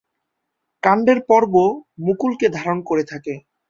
কাণ্ডের পর্ব মুকুল কে ধারণ করে থাকে।